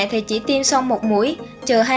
thì chỉ tiêm xong một mũi trừ hai ba